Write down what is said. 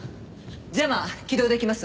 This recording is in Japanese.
ジャマー起動できます。